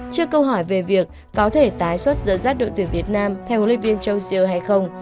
trước câu hỏi về việc có thể tái xuất dẫn dắt đội tuyển việt nam theo huấn luyện viên châu siêu hay không